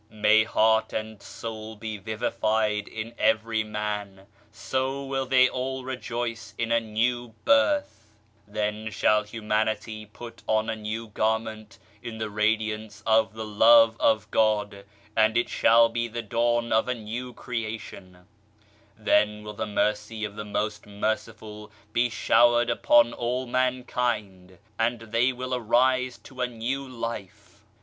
May heart and soul be vivified in every man : so will they all rejoice in a New Birth I Then shall humanity put on a new garment in the radiance of the Love of God, and it shall be the Dawn of a New Creation 1 Then will the Mercy of the Most Merciful be showered upon all Mankind and they will arise to a New Life.